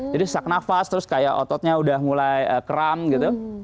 jadi sesak nafas terus kayak ototnya udah mulai kram gitu